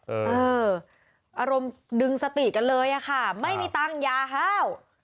เอออารมณ์ดึงสติกันเลยอะค่ะไม่มีตังค์ยาห้าว